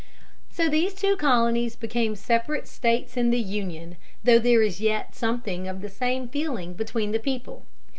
So these two Colonies finally became separate States in the Union, though there is yet something of the same feeling between the people.